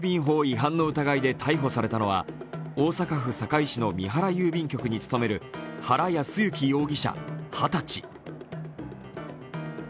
郵便法違反の疑いで逮捕されたのは、大阪府堺市の美原郵便局に勤める原康之容疑者、２０歳。